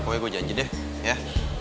pokoknya gue janji deh ya